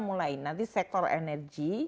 mulai nanti sektor energi